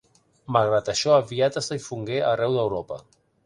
Malgrat això, aviat es difongué arreu d'Europa.